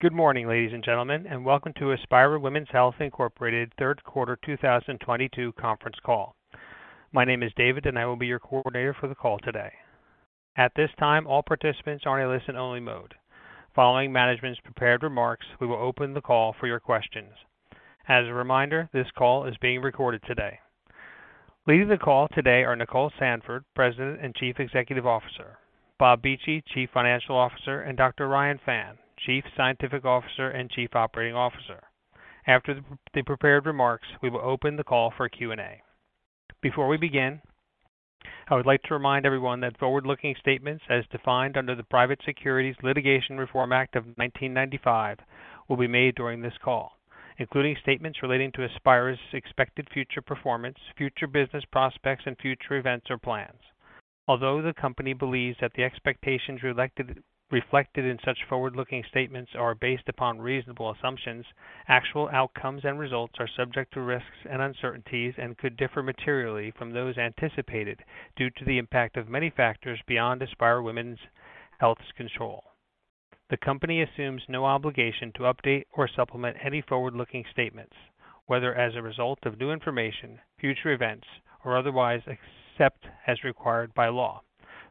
Good morning, ladies and gentlemen, and welcome to Aspira Women's Health Incorporated Third Quarter 2022 Conference Call. My name is David, and I will be your coordinator for the call today. At this time, all participants are in a listen only mode. Following management's prepared remarks, we will open the call for your questions. As a reminder, this call is being recorded today. Leading the call today are Nicole Sandford, President and Chief Executive Officer, Bob Beechey, Chief Financial Officer, and Dr. Ryan Phan, Chief Scientific Officer and Chief Operating Officer. After the prepared remarks, we will open the call for Q&A. Before we begin, I would like to remind everyone that forward-looking statements as defined under the Private Securities Litigation Reform Act of 1995 will be made during this call, including statements relating to Aspira's expected future performance, future business prospects, and future events or plans. Although the company believes that the expectations reflected in such forward-looking statements are based upon reasonable assumptions, actual outcomes and results are subject to risks and uncertainties and could differ materially from those anticipated due to the impact of many factors beyond Aspira Women's Health's control. The company assumes no obligation to update or supplement any forward-looking statements, whether as a result of new information, future events, or otherwise, except as required by law.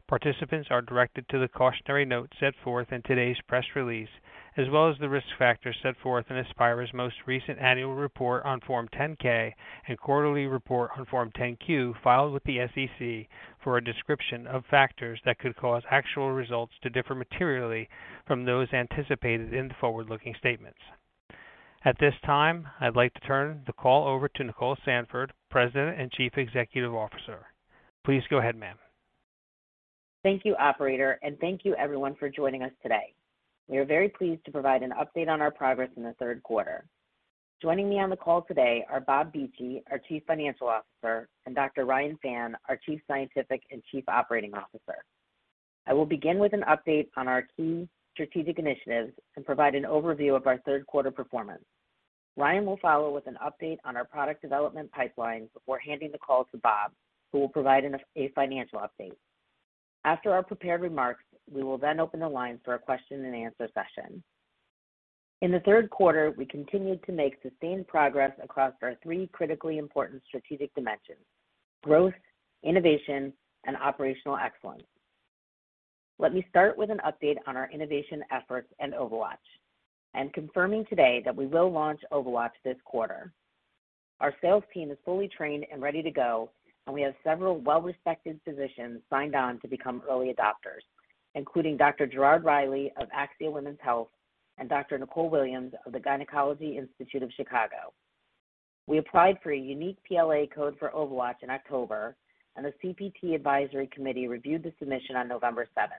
Participants are directed to the cautionary note set forth in today's press release, as well as the risk factors set forth in Aspira's most recent annual report on Form 10-K and quarterly report on Form 10-Q filed with the SEC for a description of factors that could cause actual results to differ materially from those anticipated in the forward-looking statements. At this time, I'd like to turn the call over to Nicole Sandford, President and Chief Executive Officer. Please go ahead, ma'am. Thank you, operator, and thank you everyone for joining us today. We are very pleased to provide an update on our progress in the third quarter. Joining me on the call today are Bob Beechey, our Chief Financial Officer, and Dr. Ryan Phan, our Chief Scientific Officer and Chief Operating Officer. I will begin with an update on our key strategic initiatives and provide an overview of our third quarter performance. Ryan will follow with an update on our product development pipeline before handing the call to Bob, who will provide a financial update. After our prepared remarks, we will then open the lines for a question and answer session. In the third quarter, we continued to make sustained progress across our three critically important strategic dimensions: growth, innovation, and operational excellence. Let me start with an update on our innovation efforts and OvaWatch. I'm confirming today that we will launch OvaWatch this quarter. Our sales team is fully trained and ready to go, and we have several well-respected physicians signed on to become early adopters, including Dr. Gerard Reilly of Axia Women's Health and Dr. Nicole Williams of the Gynecology Institute of Chicago. We applied for a unique PLA code for OvaWatch in October, and the CPT Advisory Committee reviewed the submission on November 7.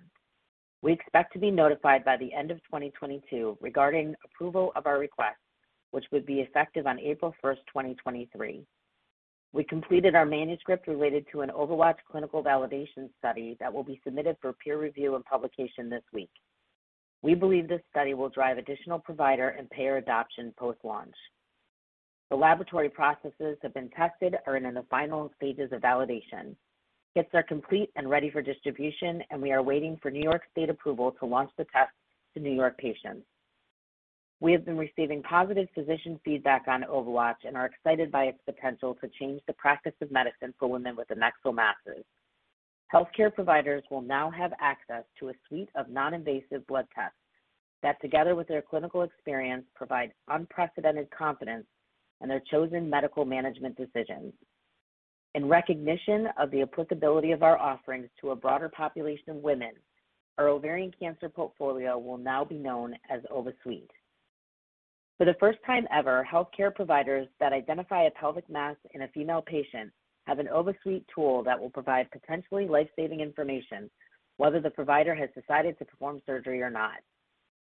We expect to be notified by the end of 2022 regarding approval of our request, which would be effective on April 1, 2023. We completed our manuscript related to an OvaWatch clinical validation study that will be submitted for peer review and publication this week. We believe this study will drive additional provider and payer adoption post-launch. The laboratory processes have been tested, are in the final stages of validation. Kits are complete and ready for distribution, and we are waiting for New York State approval to launch the tests to New York patients. We have been receiving positive physician feedback on OvaWatch and are excited by its potential to change the practice of medicine for women with adnexal masses. Healthcare providers will now have access to a suite of non-invasive blood tests that, together with their clinical experience, provide unprecedented confidence in their chosen medical management decisions. In recognition of the applicability of our offerings to a broader population of women, our ovarian cancer portfolio will now be known as OvaSuite. For the first time ever, healthcare providers that identify a pelvic mass in a female patient have an OvaSuite tool that will provide potentially life-saving information whether the provider has decided to perform surgery or not.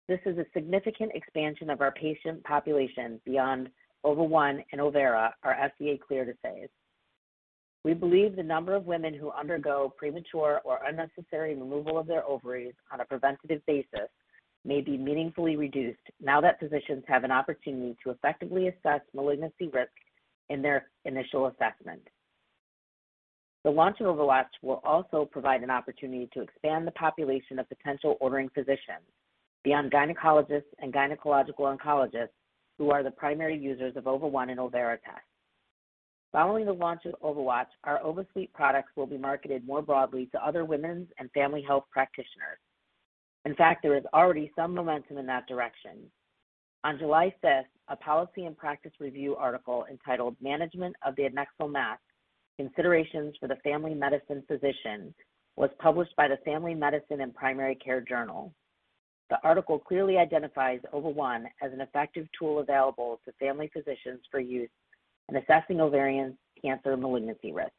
This is a significant expansion of our patient population beyond Ova1 and Overa, our FDA-cleared assays. We believe the number of women who undergo premature or unnecessary removal of their ovaries on a preventative basis may be meaningfully reduced now that physicians have an opportunity to effectively assess malignancy risk in their initial assessment. The launch of OvaWatch will also provide an opportunity to expand the population of potential ordering physicians beyond gynecologists and gynecological oncologists who are the primary users of Ova1 and Overa tests. Following the launch of OvaWatch, our OvaSuite products will be marketed more broadly to other women's and family health practitioners. In fact, there is already some momentum in that direction. On July 5th, a policy and practice review article entitled Management of the Adnexal Mass: Considerations for the Family Medicine Physician, was published by the Journal of Family Medicine and Primary Care. The article clearly identifies Ova1 as an effective tool available to family physicians for use in assessing ovarian cancer malignancy risk.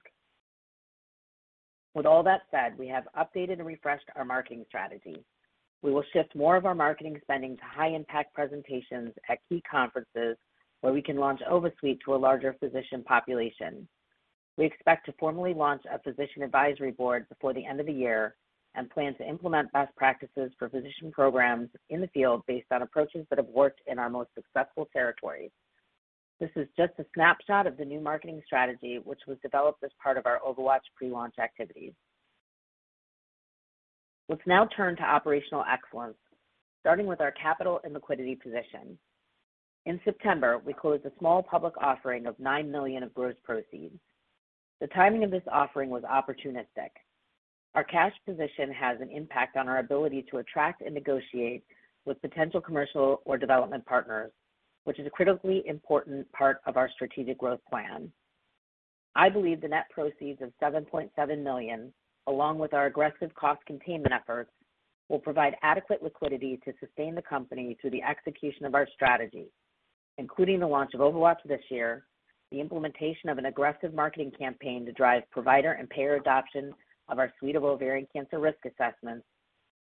With all that said, we have updated and refreshed our marketing strategy. We will shift more of our marketing spending to high impact presentations at key conferences where we can launch OvaSuite to a larger physician population. We expect to formally launch a physician advisory board before the end of the year and plan to implement best practices for physician programs in the field based on approaches that have worked in our most successful territories. This is just a snapshot of the new marketing strategy, which was developed as part of our OvaWatch pre-launch activities. Let's now turn to operational excellence, starting with our capital and liquidity position. In September, we closed a small public offering with $9 million in gross proceeds. The timing of this offering was opportunistic. Our cash position has an impact on our ability to attract and negotiate with potential commercial or development partners, which is a critically important part of our strategic growth plan. I believe the net proceeds of $7.7 million, along with our aggressive cost containment efforts, will provide adequate liquidity to sustain the company through the execution of our strategy, including the launch of Ova1Plus this year, the implementation of an aggressive marketing campaign to drive provider and payer adoption of our suite of ovarian cancer risk assessments,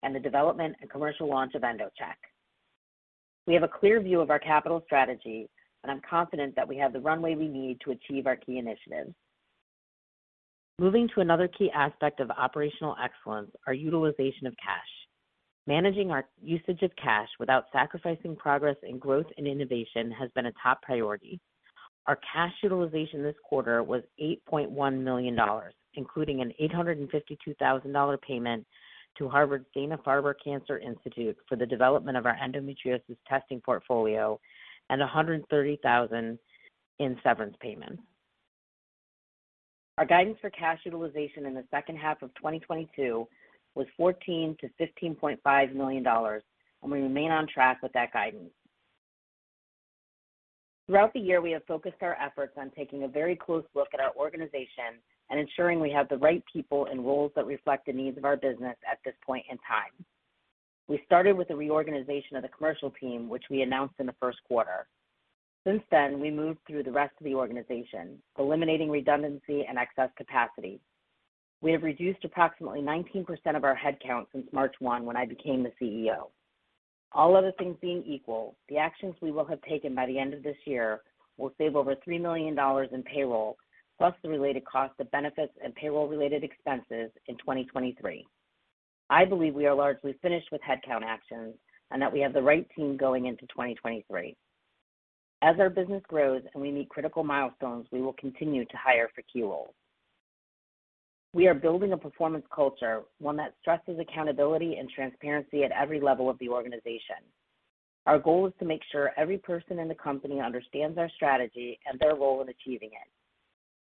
and the development and commercial launch of EndoCheck. We have a clear view of our capital strategy, and I'm confident that we have the runway we need to achieve our key initiatives. Moving to another key aspect of operational excellence, our utilization of cash. Managing our usage of cash without sacrificing progress in growth and innovation has been a top priority. Our cash utilization this quarter was $8.1 million, including a $852,000 payment to Harvard's Dana-Farber Cancer Institute for the development of our endometriosis testing portfolio and $130,000 in severance payments. Our guidance for cash utilization in the second half of 2022 was $14 million-$15.5 million, and we remain on track with that guidance. Throughout the year, we have focused our efforts on taking a very close look at our organization and ensuring we have the right people in roles that reflect the needs of our business at this point in time. We started with the reorganization of the commercial team, which we announced in the first quarter. Since then, we moved through the rest of the organization, eliminating redundancy and excess capacity. We have reduced approximately 19% of our headcount since March 1 when I became the Chief Executive Officer. All other things being equal, the actions we will have taken by the end of this year will save over $3 million in payroll, plus the related cost of benefits and payroll-related expenses in 2023. I believe we are largely finished with headcount actions and that we have the right team going into 2023. As our business grows and we meet critical milestones, we will continue to hire for key roles. We are building a performance culture, one that stresses accountability and transparency at every level of the organization. Our goal is to make sure every person in the company understands our strategy and their role in achieving it.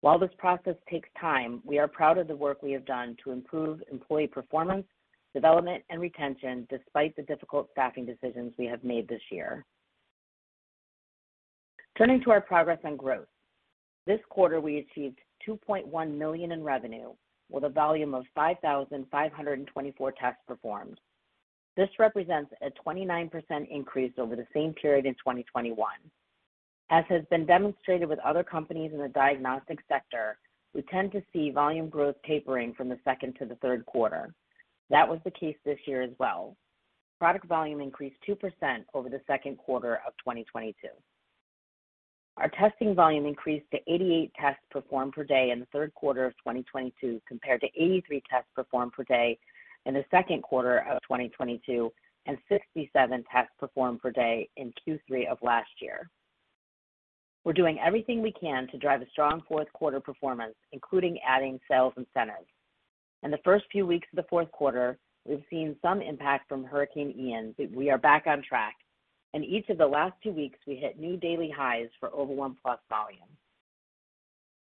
While this process takes time, we are proud of the work we have done to improve employee performance, development, and retention despite the difficult staffing decisions we have made this year. Turning to our progress on growth. This quarter, we achieved $2.1 million in revenue with a volume of 5,524 tests performed. This represents a 29% increase over the same period in 2021. As has been demonstrated with other companies in the diagnostic sector, we tend to see volume growth tapering from the second to the third quarter. That was the case this year as well. Product volume increased 2% over the second quarter of 2022. Our testing volume increased to 88 tests performed per day in the third quarter of 2022 compared to 83 tests performed per day in the second quarter of 2022 and 67 tests performed per day in Q3 of last year. We're doing everything we can to drive a strong fourth quarter performance, including adding sales incentives. In the first few weeks of the fourth quarter, we've seen some impact from Hurricane Ian, but we are back on track, and each of the last two weeks, we hit new daily highs for Ova1Plus volume.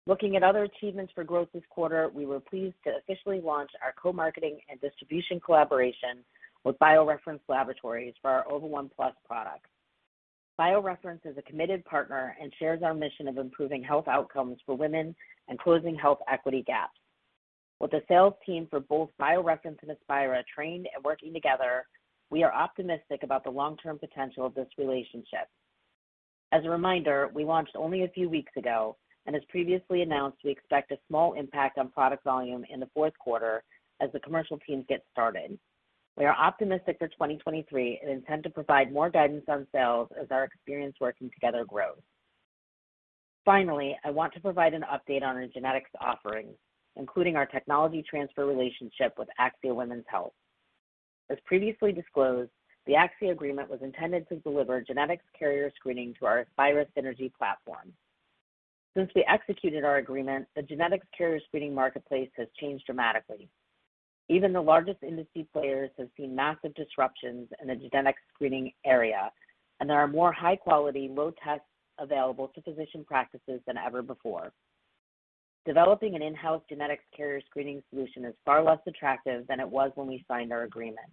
Looking at other achievements for growth this quarter, we were pleased to officially launch our co-marketing and distribution collaboration with BioReference Laboratories for our Ova1Plus product. BioReference is a committed partner and shares our mission of improving health outcomes for women and closing health equity gaps. With the sales team for both BioReference and Aspira trained and working together, we are optimistic about the long-term potential of this relationship. As a reminder, we launched only a few weeks ago, and as previously announced, we expect a small impact on product volume in the fourth quarter as the commercial teams get started. We are optimistic for 2023 and intend to provide more guidance on sales as our experience working together grows. Finally, I want to provide an update on our genetics offerings, including our technology transfer relationship with Axia Women's Health. As previously disclosed, the Axia agreement was intended to deliver genetics carrier screening to our Aspira Synergy platform. Since we executed our agreement, the genetics carrier screening marketplace has changed dramatically. Even the largest industry players have seen massive disruptions in the genetic screening area, and there are more high-quality, low-cost tests available to physician practices than ever before. Developing an in-house genetics carrier screening solution is far less attractive than it was when we signed our agreement.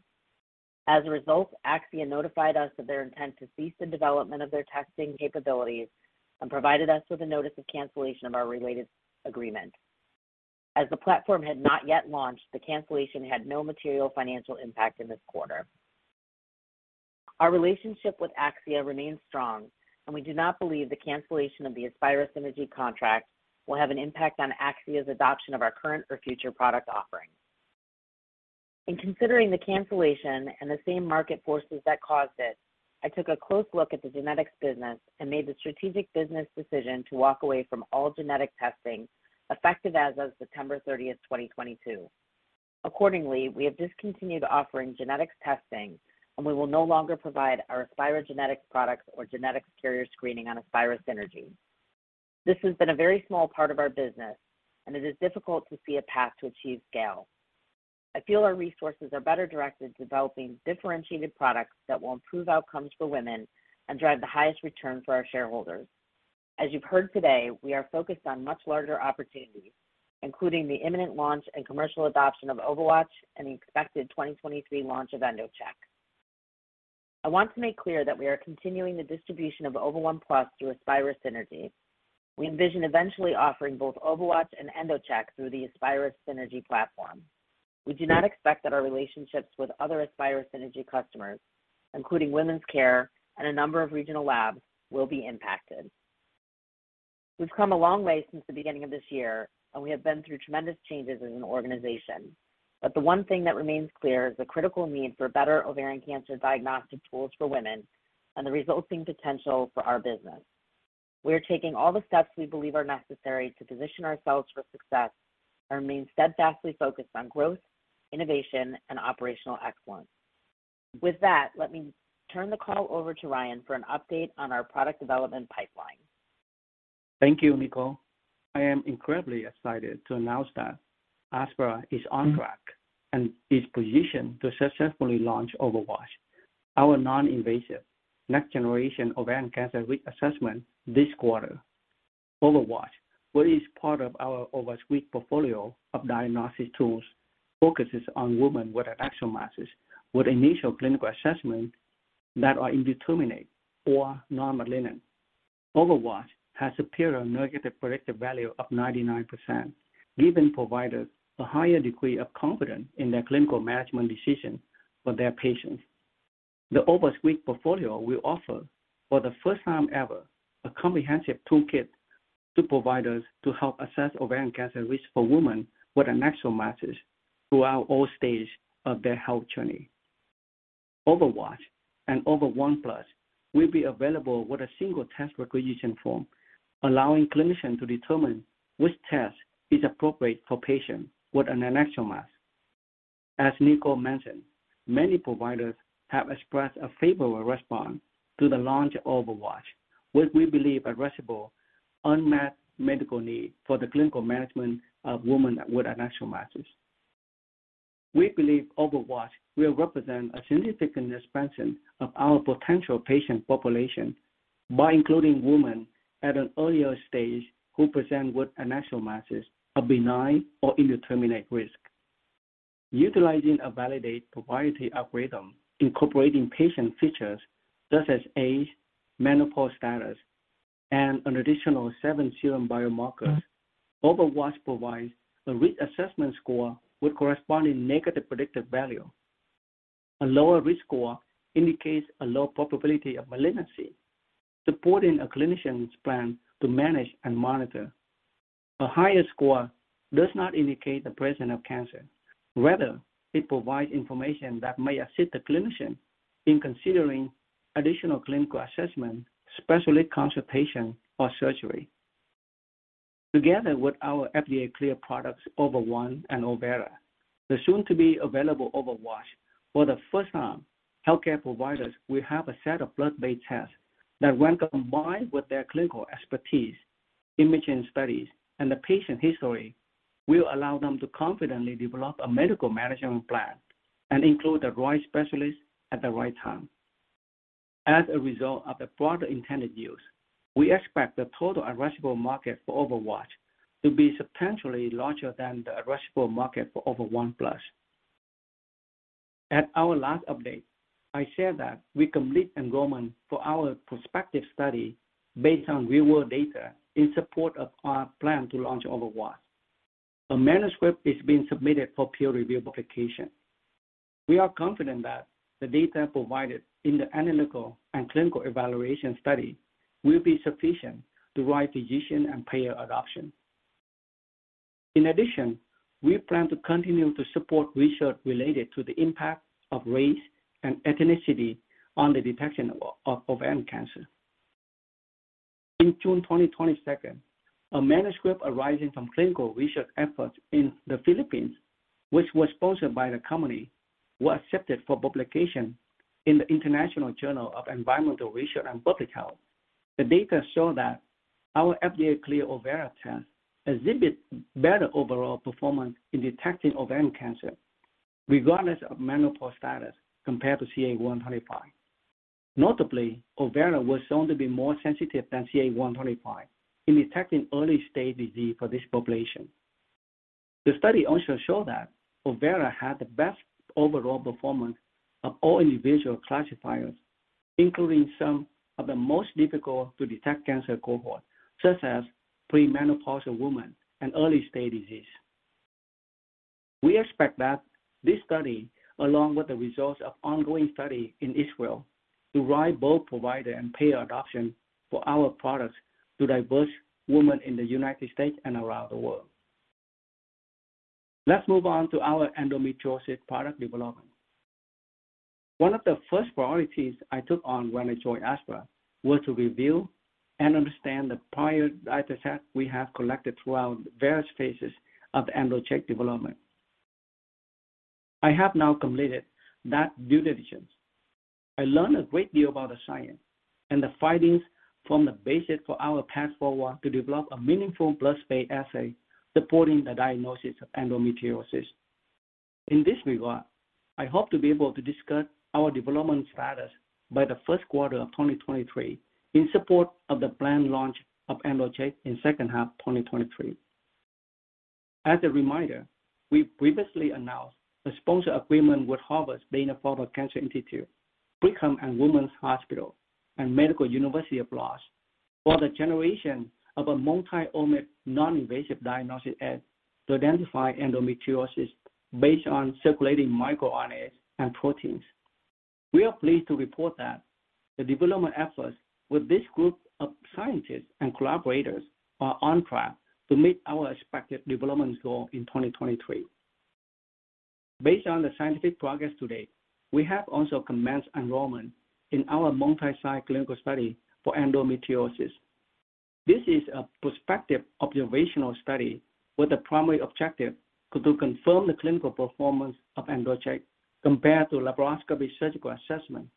As a result, Axia notified us of their intent to cease the development of their testing capabilities and provided us with a notice of cancellation of our related agreement. As the platform had not yet launched, the cancellation had no material financial impact in this quarter. Our relationship with Axia remains strong, and we do not believe the cancellation of the Aspira Synergy contract will have an impact on Axia's adoption of our current or future product offerings. In considering the cancellation and the same market forces that caused it, I took a close look at the genetics business and made the strategic business decision to walk away from all genetic testing effective as of September 30, 2022. Accordingly, we have discontinued offering genetics testing, and we will no longer provide our Aspira GenetiX products or genetic carrier screening on Aspira Synergy. This has been a very small part of our business, and it is difficult to see a path to achieve scale. I feel our resources are better directed to developing differentiated products that will improve outcomes for women and drive the highest return for our shareholders. As you've heard today, we are focused on much larger opportunities, including the imminent launch and commercial adoption of OvaWatch and the expected 2023 launch of EndoCheck. I want to make clear that we are continuing the distribution of Ova1Plus through Aspira Synergy. We envision eventually offering both OvaWatch and EndoCheck through the Aspira Synergy platform. We do not expect that our relationships with other Aspira Synergy customers, including Women's Care and a number of regional labs, will be impacted. We've come a long way since the beginning of this year, and we have been through tremendous changes as an organization. The one thing that remains clear is the critical need for better ovarian cancer diagnostic tools for women and the resulting potential for our business. We are taking all the steps we believe are necessary to position ourselves for success and remain steadfastly focused on growth, innovation, and operational excellence. With that, let me turn the call over to Ryan for an update on our product development pipeline. Thank you, Nicole. I am incredibly excited to announce that Aspira is on track and is positioned to successfully launch OvaWatch, our non-invasive next generation ovarian cancer risk assessment this quarter. OvaWatch, what is part of our OvaSuite portfolio of diagnostic tools, focuses on women with adnexal masses with initial clinical assessment that are indeterminate or normal-leaning. OvaWatch has a superior negative predictive value of 99%, giving providers a higher degree of confidence in their clinical management decision for their patients. The OvaSuite portfolio will offer, for the first time ever, a comprehensive toolkit to providers to help assess ovarian cancer risk for women with adnexal masses throughout all stages of their health journey. OvaWatch and Ova1Plus will be available with a single test requisition form, allowing clinicians to determine which test is appropriate for patients with an adnexal mass. As Nicole mentioned, many providers have expressed a favorable response to the launch of OvaWatch, which we believe addresses an unmet medical need for the clinical management of women with adnexal masses. We believe OvaWatch will represent a significant expansion of our potential patient population by including women at an earlier stage who present with adnexal masses of benign or indeterminate risk. Utilizing a validated proprietary algorithm incorporating patient features such as age, menopause status, and an additional seven serum biomarkers, OvaWatch provides a risk assessment score with corresponding negative predictive value. A lower risk score indicates a low probability of malignancy, supporting a clinician's plan to manage and monitor. A higher score does not indicate the presence of cancer. Rather, it provides information that may assist the clinician in considering additional clinical assessment, specialty consultation, or surgery. Together with our FDA-cleared products, Ova1 and Overa, the soon to be available OvaWatch, for the first time, healthcare providers will have a set of blood-based tests that when combined with their clinical expertise, imaging studies, and the patient history, will allow them to confidently develop a medical management plan and include the right specialist at the right time. As a result of the broader intended use, we expect the total addressable market for OvaWatch to be substantially larger than the addressable market for Ova1Plus. At our last update, I said that we complete enrollment for our prospective study based on real-world data in support of our plan to launch OvaWatch. A manuscript is being submitted for peer review publication. We are confident that the data provided in the analytical and clinical evaluation study will be sufficient to drive physician and payer adoption. In addition, we plan to continue to support research related to the impact of race and ethnicity on the detection of ovarian cancer. In June 2022, a manuscript arising from clinical research efforts in the Philippines, which was sponsored by the company, was accepted for publication in the International Journal of Environmental Research and Public Health. The data show that our FDA-cleared Overa test exhibits better overall performance in detecting ovarian cancer regardless of menopause status compared to CA-125. Notably, Overa was shown to be more sensitive than CA-125 in detecting early-stage disease for this population. The study also showed that Overa had the best overall performance of all individual classifiers, including some of the most difficult to detect cancer cohort, such as premenopausal women and early-stage disease. We expect that this study, along with the results of ongoing study in Israel, to drive both provider and payer adoption for our products to diverse women in the United States and around the world. Let's move on to our endometriosis product development. One of the first priorities I took on when I joined Aspira was to review and understand the prior data set we have collected throughout various phases of the EndoCheck development. I have now completed that due diligence. I learned a great deal about the science and the findings from the basis for our path forward to develop a meaningful blood-based assay supporting the diagnosis of endometriosis. In this regard, I hope to be able to discuss our development status by the first quarter of 2023 in support of the planned launch of EndoCheck in second half 2023. As a reminder, we previously announced a sponsor agreement with Dana-Farber Cancer Institute, Brigham and Women's Hospital, and Medical University of Lodz for the generation of a multi-omics non-invasive diagnostic aid to identify endometriosis based on circulating microRNAs and proteins. We are pleased to report that the development efforts with this group of scientists and collaborators are on track to meet our expected development goal in 2023. Based on the scientific progress to date, we have also commenced enrollment in our multi-site clinical study for endometriosis. This is a prospective observational study with the primary objective to confirm the clinical performance of EndoCheck compared to laparoscopy surgical assessment.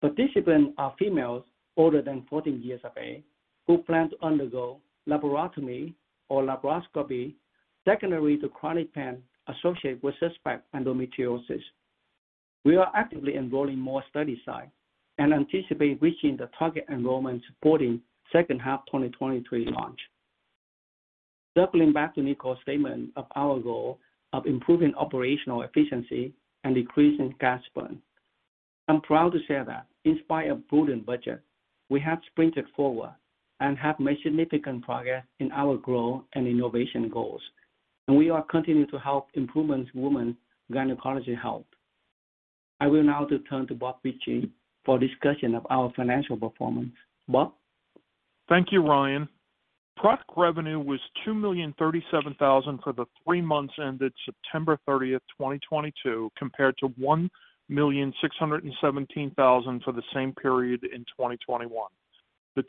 Participants are females older than 14 years of age who plan to undergo laparotomy or laparoscopy secondary to chronic pain associated with suspect endometriosis. We are actively enrolling more study sites and anticipate reaching the target enrollment supporting second half 2023 launch. Circling back to Nicole's statement of our goal of improving operational efficiency and decreasing cash burn, I'm proud to say that in spite of prudent budget, we have sprinted forward and have made significant progress in our growth and innovation goals, and we are continuing to help improve women's gynecologic health. I will now turn to Bob Beechey for discussion of our financial performance. Bob? Thank you, Ryan. Product revenue was $2,037,000 for the three months ended September 30, 2022, compared to $1,617,000 for the same period in 2021. The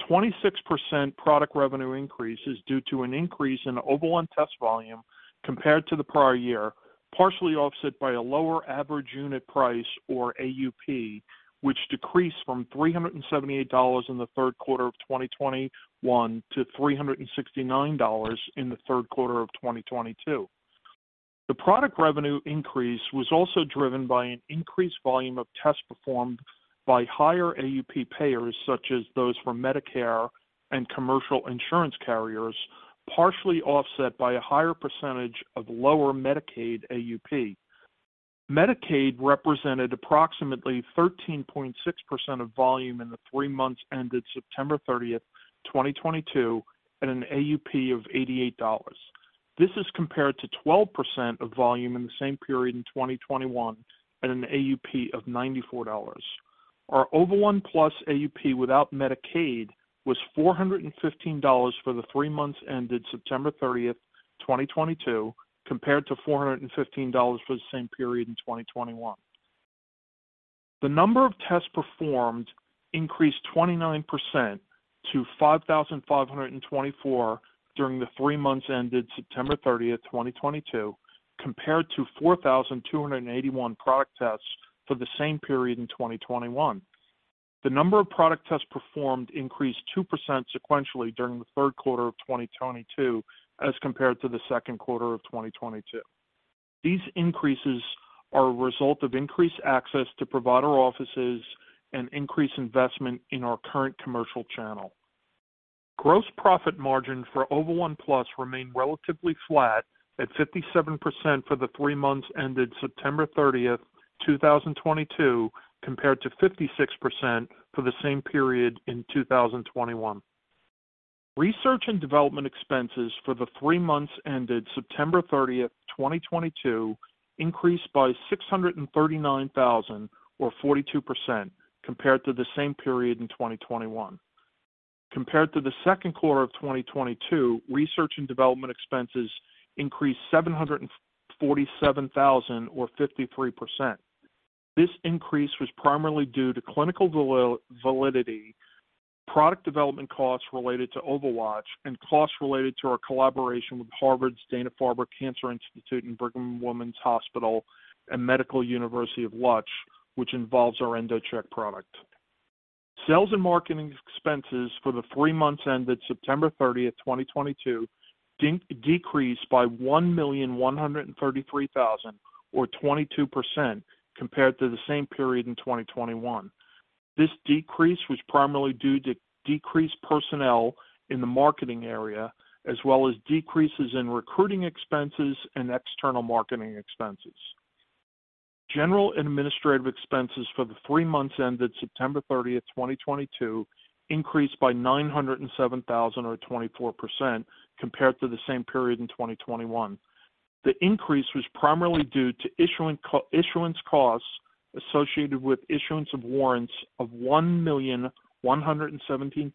26% product revenue increase is due to an increase in Ova1 test volume compared to the prior year, partially offset by a lower average unit price or AUP, which decreased from $378 in the third quarter of 2021 to $369 in the third quarter of 2022. The product revenue increase was also driven by an increased volume of tests performed by higher AUP payers such as those for Medicare and commercial insurance carriers, partially offset by a higher percentage of lower Medicaid AUP. Medicaid represented approximately 13.6% of volume in the three months ended September 30, 2022, at an AUP of $88. This is compared to 12% of volume in the same period in 2021 at an AUP of $94. Our Ova1Plus AUP without Medicaid was $415 for the three months ended September 30, 2022, compared to $415 for the same period in 2021. The number of tests performed increased 29% to 5,524 during the three months ended September 30, 2022, compared to 4,281 product tests for the same period in 2021. The number of product tests performed increased 2% sequentially during the third quarter of 2022 as compared to the second quarter of 2022. These increases are a result of increased access to provider offices and increased investment in our current commercial channel. Gross profit margin for Ova1Plus remained relatively flat at 57% for the three months ended September 30, 2022, compared to 56% for the same period in 2021. Research and development expenses for the three months ended September 30, 2022, increased by $639,000 or 42% compared to the same period in 2021. Compared to the second quarter of 2022, research and development expenses increased $747,000 or 53%. This increase was primarily due to clinical validation, product development costs related to OvaWatch, and costs related to our collaboration with Harvard's Dana-Farber Cancer Institute and Brigham and Women's Hospital and Medical University of Lodz, which involves our EndoCheck product. Sales and marketing expenses for the three months ended September 30, 2022, decreased by $1.133 million or 22% compared to the same period in 2021. This decrease was primarily due to decreased personnel in the marketing area as well as decreases in recruiting expenses and external marketing expenses. General and administrative expenses for the three months ended September 30, 2022, increased by $907,000 or 24% compared to the same period in 2021. The increase was primarily due to issuance costs associated with issuance of warrants of $1.117 million,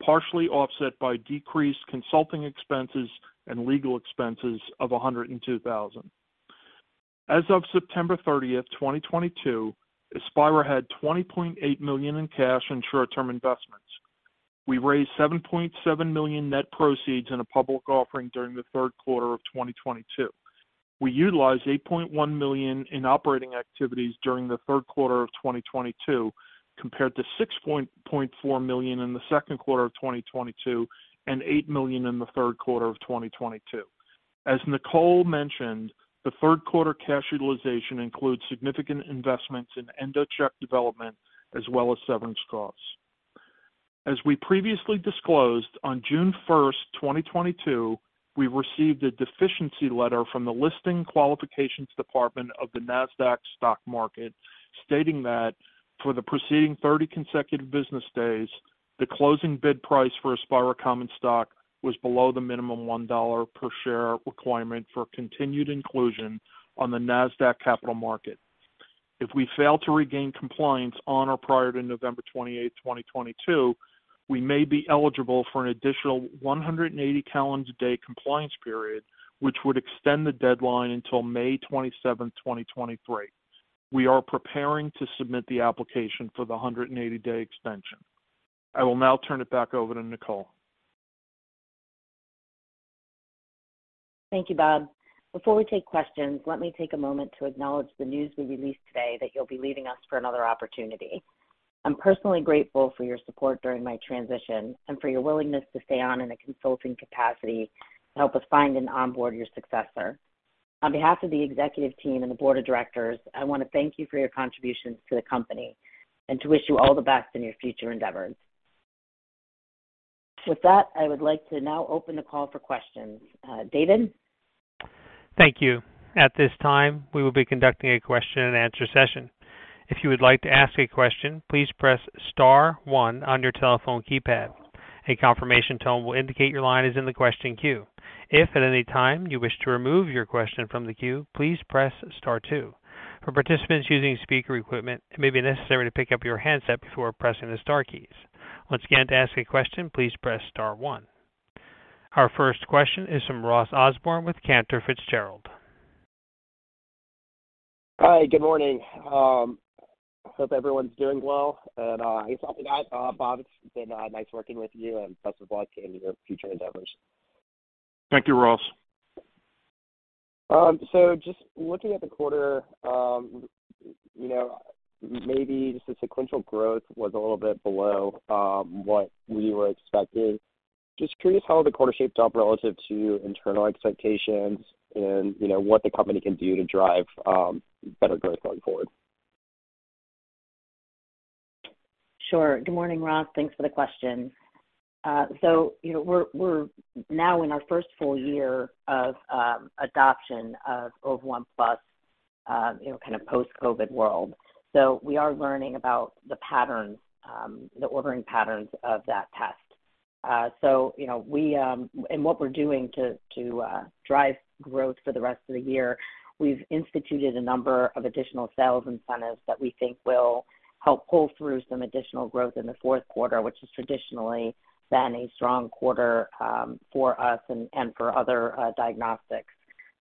partially offset by decreased consulting expenses and legal expenses of $102,000. As of September thirtieth, 2022, Aspira had $20.8 million in cash and short-term investments. We raised $7.7 million net proceeds in a public offering during the third quarter of 2022. We utilized $8.1 million in operating activities during the third quarter of 2022 compared to $6.4 million in the second quarter of 2022 and $8 million in the third quarter of 2022. As Nicole mentioned, the third quarter cash utilization includes significant investments in EndoCheck development as well as severance costs. As we previously disclosed, on June 1, 2022, we received a deficiency letter from the Listing Qualifications Department of the Nasdaq Stock Market stating that for the preceding 30 consecutive business days, the closing bid price for Aspira common stock was below the minimum $1 per share requirement for continued inclusion on the Nasdaq Capital Market. If we fail to regain compliance on or prior to November 28, 2022, we may be eligible for an additional 180 calendar day compliance period, which would extend the deadline until May 27, 2023. We are preparing to submit the application for the 180-day extension. I will now turn it back over to Nicole. Thank you, Bob. Before we take questions, let me take a moment to acknowledge the news we released today that you'll be leaving us for another opportunity. I'm personally grateful for your support during my transition and for your willingness to stay on in a consulting capacity to help us find and onboard your successor. On behalf of the executive team and the board of directors, I want to thank you for your contributions to the company and to wish you all the best in your future endeavors. With that, I would like to now open the call for questions. David? Thank you. At this time, we will be conducting a question and answer session. If you would like to ask a question, please press star one on your telephone keypad. A confirmation tone will indicate your line is in the question queue. If at any time you wish to remove your question from the queue, please press star two. For participants using speaker equipment, it may be necessary to pick up your handset before pressing the star keys. Once again, to ask a question, please press star one. Our first question is from Ross Osborn with Cantor Fitzgerald. Hi, good morning. Hope everyone's doing well. Bob, it's been nice working with you, and best of luck in your future endeavors. Thank you, Ross. Just looking at the quarter, you know, maybe the sequential growth was a little bit below what we were expecting. Just curious how the quarter shaped up relative to internal expectations and, you know, what the company can do to drive better growth going forward. Sure. Good morning, Ross. Thanks for the question. You know, we're now in our first full year of adoption of Ova1Plus, you know, kind of post-COVID world. We are learning about the patterns, the ordering patterns of that test. You know, and what we're doing to drive growth for the rest of the year, we've instituted a number of additional sales incentives that we think will help pull through some additional growth in the fourth quarter, which has traditionally been a strong quarter for us and for other diagnostics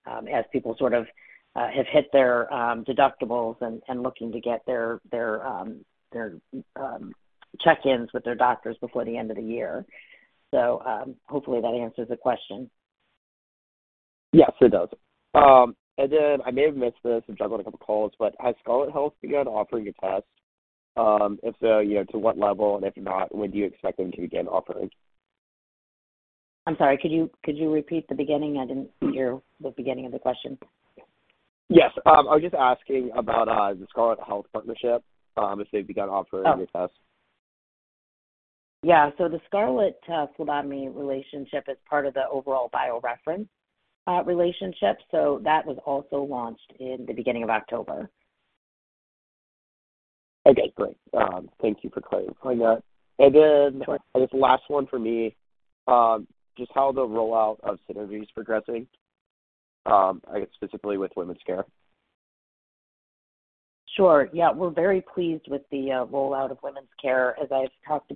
as people have hit their deductibles and looking to get their check-ins with their doctors before the end of the year. Hopefully that answers the question. Yes, it does. I may have missed this. I'm juggling a couple calls, but has Scarlet Health begun offering a test? If so, you know, to what level? If not, when do you expect them to begin offering? I'm sorry. Could you repeat the beginning? I didn't hear the beginning of the question. Yes. I was just asking about the Scarlet Health partnership, if they've begun offering a test? Yeah. The Scarlet GeneDx relationship is part of the overall BioReference relationship. That was also launched in the beginning of October. Okay, great. Thank you for clearing that. I guess last one for me, just how the rollout of Synergy's progressing, I guess specifically with Women's Care. Sure. Yeah, we're very pleased with the rollout of Women's Care. As I've talked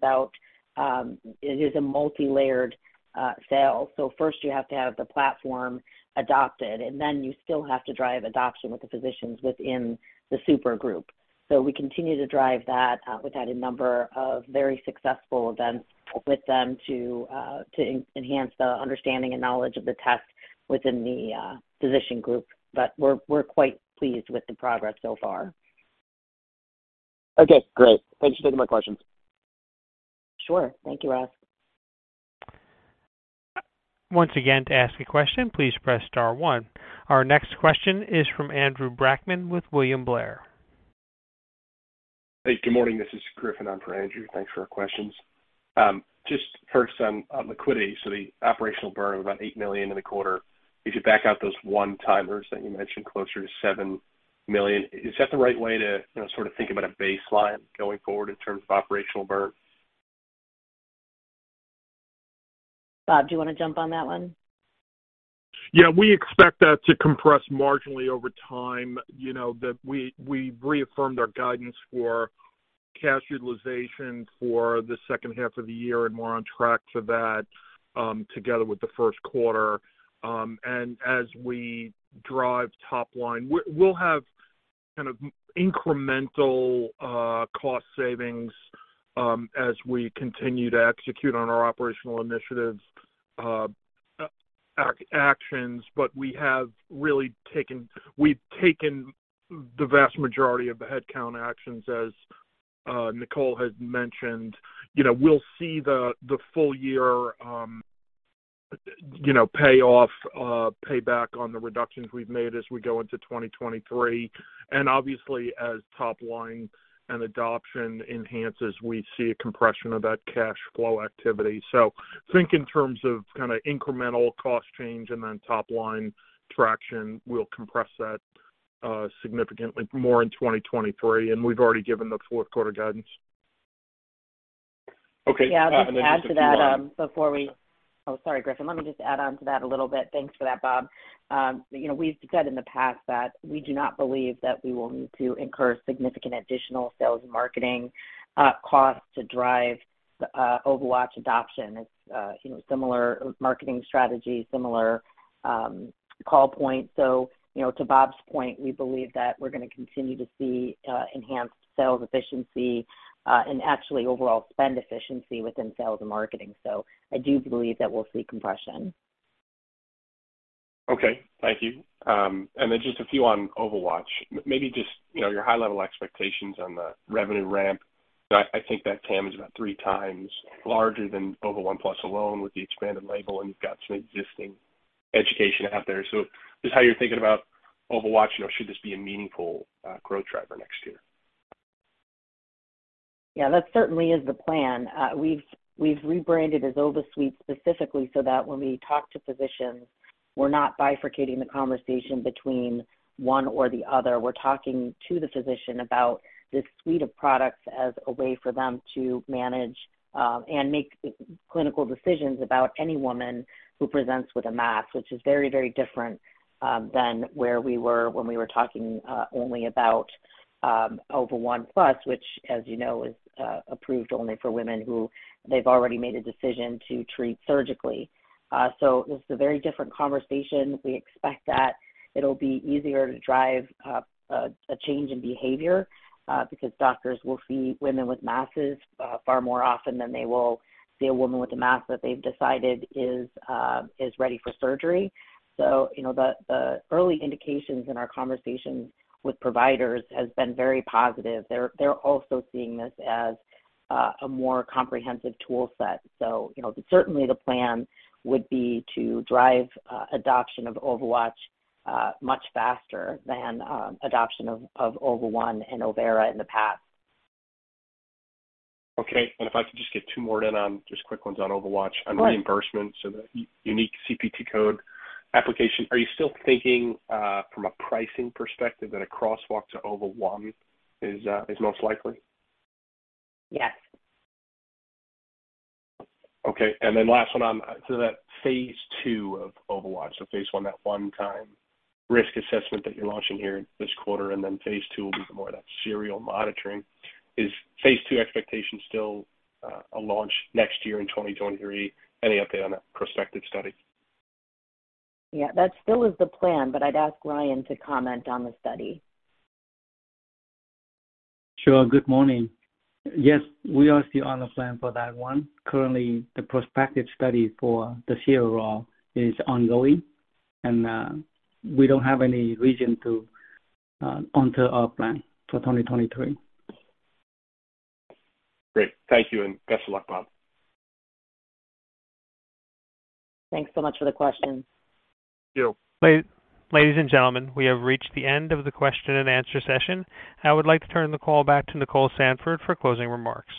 about, it is a multilayered sale. First you have to have the platform adopted, and then you still have to drive adoption with the physicians within the super group. We continue to drive that. We've had a number of very successful events with them to enhance the understanding and knowledge of the test within the physician group, but we're quite pleased with the progress so far. Okay, great. Thanks for taking my questions. Sure. Thank you, Ross. Once again, to ask a question, please press star one. Our next question is from Andrew Brackmann with William Blair. Hey, good morning. This is Griffin on for Andrew. Thanks for questions. Just first on liquidity. So the operational burn of about $8 million in the quarter, if you back out those one-timers that you mentioned, closer to $7 million. Is that the right way to, you know, sort of think about a baseline going forward in terms of operational burn? Bob, do you wanna jump on that one? Yeah. We expect that to compress marginally over time, you know, that we reaffirmed our guidance for cash utilization for the second half of the year, and we're on track for that, together with the first quarter. As we drive top line, we'll have kind of incremental cost savings, as we continue to execute on our operational initiatives, actions. We've taken the vast majority of the headcount actions, as Nicole had mentioned. You know, we'll see the full year payoff payback on the reductions we've made as we go into 2023. Obviously, as top line and adoption enhances, we see a compression of that cash flow activity. Think in terms of kinda incremental cost change and then top line traction, we'll compress that significantly more in 2023, and we've already given the fourth quarter guidance. Okay. Yeah. Just to add to that, Oh, sorry, Griffin. Let me just add on to that a little bit. Thanks for that, Bob. You know, we've said in the past that we do not believe that we will need to incur significant additional sales and marketing costs to drive OvaWatch adoption. It's you know, similar marketing strategy, similar call points. You know, to Bob's point, we believe that we're gonna continue to see enhanced sales efficiency and actually overall spend efficiency within sales and marketing. I do believe that we'll see compression. Okay. Thank you. Just a few on OvaWatch. Maybe just, you know, your high-level expectations on the revenue ramp. I think that TAM is about three times larger than Ova1Plus alone with the expanded label, and you've got some existing education out there. Just how you're thinking about OvaWatch, you know, should this be a meaningful growth driver next year. Yeah, that certainly is the plan. We've rebranded as OvaSuite specifically so that when we talk to physicians, we're not bifurcating the conversation between one or the other. We're talking to the physician about this suite of products as a way for them to manage and make clinical decisions about any woman who presents with a mass, which is very different than where we were when we were talking only about Ova1Plus, which as you know is approved only for women who they've already made a decision to treat surgically. This is a very different conversation. We expect that it'll be easier to drive a change in behavior because doctors will see women with masses far more often than they will see a woman with a mass that they've decided is ready for surgery. You know, the early indications in our conversations with providers has been very positive. They're also seeing this as a more comprehensive tool set. You know, certainly the plan would be to drive adoption of OvaWatch much faster than adoption of Ova1 and Overa in the past. Okay. If I could just get two more in on, just quick ones on OvaWatch. Of course. On reimbursement, the unique CPT code application, are you still thinking, from a pricing perspective that a crosswalk to Ova1 is most likely? Yes. Okay. Then last one on that phase two of OvaWatch. Phase one, that one-time risk assessment that you're launching here this quarter, and then phase two will be more of that serial monitoring. Is phase two expectation still a launch next year in 2023? Any update on that prospective study? Yeah, that still is the plan, but I'd ask Ryan to comment on the study. Sure. Good morning. Yes, we are still on the plan for that one. Currently, the prospective study for the CRO is ongoing, and we don't have any reason to alter our plan for 2023. Great. Thank you, and best of luck, Bob. Thanks so much for the question. Thank you. Ladies and gentlemen, we have reached the end of the question and answer session. I would like to turn the call back to Nicole Sandford for closing remarks.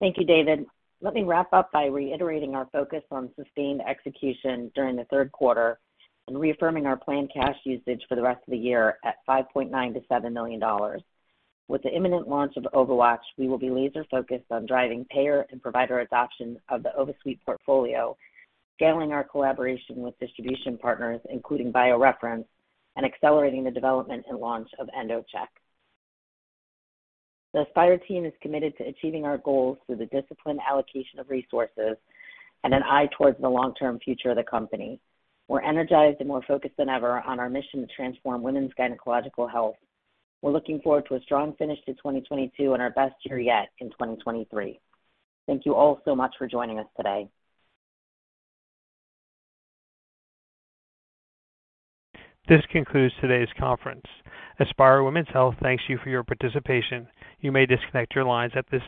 Thank you, David. Let me wrap up by reiterating our focus on sustained execution during the third quarter and reaffirming our planned cash usage for the rest of the year at $5.9 million-$7 million. With the imminent launch of OvaWatch, we will be laser-focused on driving payer and provider adoption of the OvaSuite portfolio, scaling our collaboration with distribution partners, including BioReference, and accelerating the development and launch of EndoCheck. The Aspira team is committed to achieving our goals through the disciplined allocation of resources and an eye towards the long-term future of the company. We're energized and more focused than ever on our mission to transform women's gynecological health. We're looking forward to a strong finish to 2022 and our best year yet in 2023. Thank you all so much for joining us today. This concludes today's conference. Aspira Women's Health thanks you for your participation. You may disconnect your lines at this time.